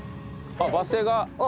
あっバス停！